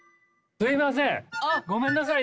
すみません。